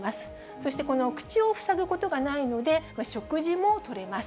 そして、口を塞ぐことがないので、食事もとれます。